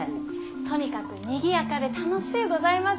とにかくにぎやかで楽しゅうございます。